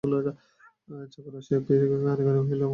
চাকর আসিয়া অক্ষয়ের কানে কানে কহিল, মাঠাকরুন একবার ডাকছেন।